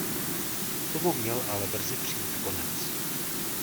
Tomu měl ale brzy přijít konec.